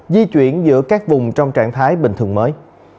di chuyển giữa các vùng trong trạng thái bình thường mới